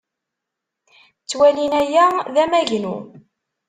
Ttwalin aya d amagnu.